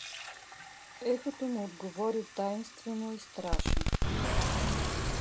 Ехото му отговори тайнствено и страшно.